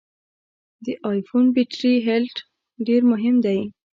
د ای فون بټري هلټ ډېر مهم دی.